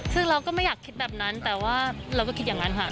ซึ่งเราก็ไม่อยากคิดแบบนั้นแต่ว่าเราก็คิดอย่างนั้นค่ะ